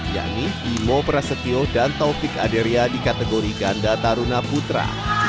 yakni imo prasetyo dan taufik aderia di kategori ganda taruna putra